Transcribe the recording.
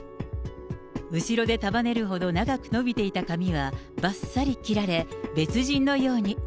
後ろで束ねるほど長く伸びていた髪はばっさり切られ、別人のように。